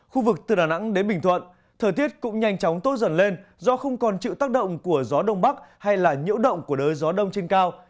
khu vực từ đà nẵng đến bình thuận thời tiết cũng nhanh chóng tốt dần lên do không còn chịu tác động của gió đông bắc hay là nhiễu động của đới gió đông trên cao